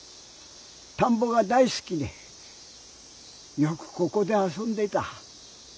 たんぼが大すきでよくここであそんでいた。